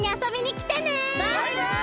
バイバイ！